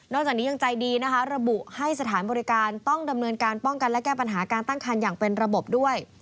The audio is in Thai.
จากนี้ยังใจดีนะคะระบุให้สถานบริการต้องดำเนินการป้องกันและแก้ปัญหาการตั้งคันอย่างเป็นระบบด้วย